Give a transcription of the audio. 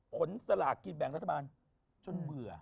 สลากกินแบ่งรัฐบาลจนเบื่อ